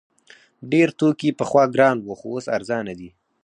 ډیر توکي پخوا ګران وو خو اوس ارزانه دي.